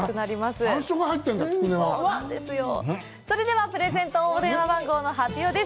それではプレゼント応募電話番号の発表です。